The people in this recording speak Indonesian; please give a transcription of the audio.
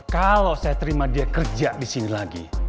kalau saya terima dia kerja disini lagi